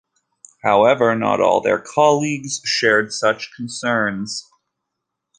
However, not all their colleagues shared such concerns.